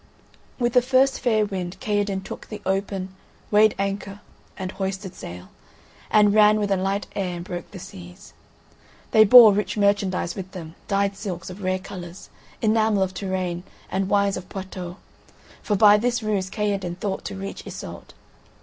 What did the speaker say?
With the first fair wind Kaherdin took the open, weighed anchor and hoisted sail, and ran with a light air and broke the seas. They bore rich merchandise with them, dyed silks of rare colours, enamel of Touraine and wines of Poitou, for by this ruse Kaherdin thought to reach Iseult.